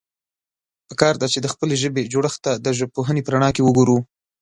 پکار ده، چې د خپلې ژبې جوړښت ته د ژبپوهنې په رڼا کې وګورو.